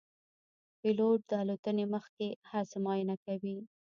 پیلوټ د الوتنې مخکې هر څه معاینه کوي.